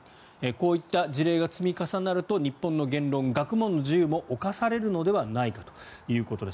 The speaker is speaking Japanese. こういった事例が積み重なると日本の言論、学問の自由も侵されるのではないかということです。